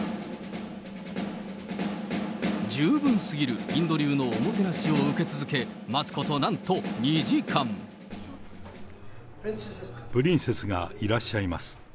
十分すぎるインド流のおもてなしを受け続け、待つことなんとプリンセスがいらっしゃいます。